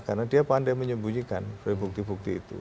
karena dia pandai menyembunyikan dari bukti bukti itu